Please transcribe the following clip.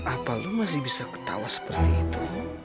apa lu masih bisa ketawa seperti itu